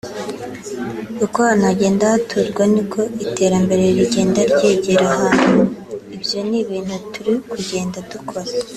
uko ahantu hagenda haturwa ni ko iterambere rigenda ryegera ahantu ibyo ni ibintu turi kugenda dukora